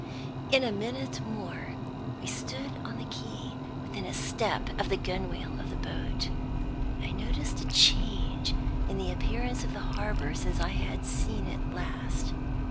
In a minute more we stood on the quay, within a step of the gunwale of the boat. I noticed a change in the appearance of the harbor since I had seen it last.